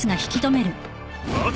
待て！